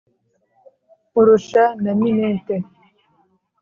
Nkurusha na Minete,